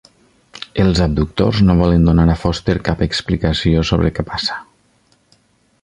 Els abductors no volen donar a Foster cap explicació sobre què passa.